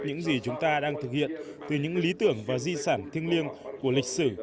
những gì chúng ta đang thực hiện từ những lý tưởng và di sản thiêng liêng của lịch sử